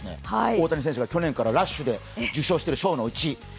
大谷選手が去年からラッシュで受賞している賞のうち。